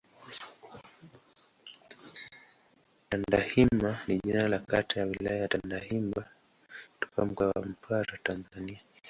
Tandahimba ni jina la kata ya Wilaya ya Tandahimba katika Mkoa wa Mtwara, Tanzania.